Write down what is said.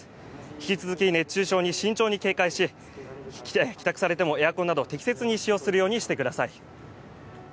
引き続き熱中症に慎重に警戒し帰宅されてもエアコンなど、適切に使用するようにしてください。